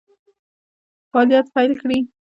فعالیت پیل کړي.